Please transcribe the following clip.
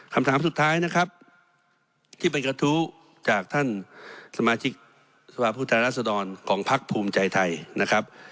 คำถามสุดท้ายนะครับที่เป็นกระทู้จากท่านสมาชิกสภาพผู้แทนรัศดรของพักภูมิใจไทยนะครับ